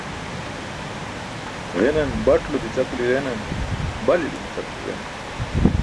Ġenaṅ baṭulo bica kuli ġenaṅ, balilo bica kuli ġenaṅ.